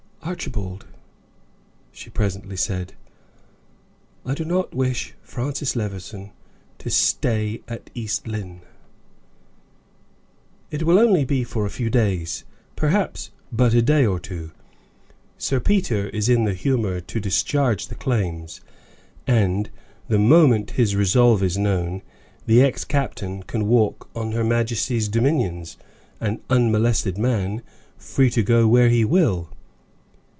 "Archibald," she presently said, "I do not wish Francis Levison to stay at East Lynne." "It will only be for a few days perhaps but a day or two. Sir Peter is in the humor to discharge the claims, and, the moment his resolve is known, the ex captain can walk on her majesty's dominions, an unmolested man, free to go where he will."